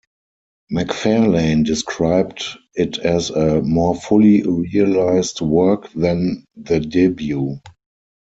McFarlane described it as a more fully realised work than the debut.